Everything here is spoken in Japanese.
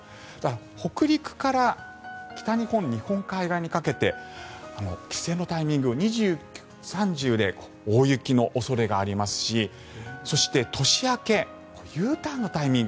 北陸から北日本日本海側にかけて帰省のタイミング２９、３０で大雪の恐れがありますしそして年明けＵターンのタイミング